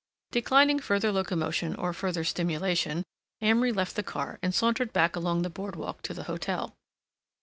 Declining further locomotion or further stimulation, Amory left the car and sauntered back along the board walk to the hotel.